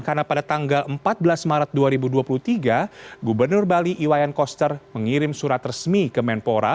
karena pada tanggal empat belas maret dua ribu dua puluh tiga gubernur bali iwayan koster mengirim surat resmi ke menpora